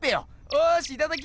おしいただき！